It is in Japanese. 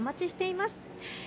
お待ちしています。